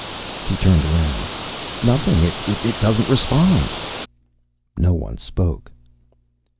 He turned around. "Nothing. It doesn't respond." No one spoke.